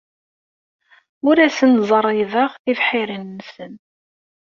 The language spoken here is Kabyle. Ur asen-d-ttẓerribeɣ tibḥirin-nsen.